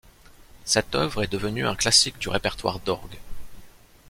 Cette œuvre est devenue un classique du répertoire d'orgue.